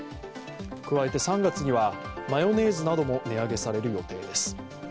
加えて３月にはマヨネーズなども値上げされる予定です。